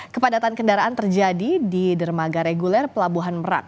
kepadatan kendaraan terjadi di dermaga reguler pelabuhan merak